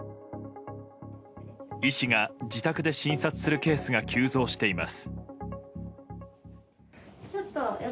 医師が自宅で診察するケースが急増しています。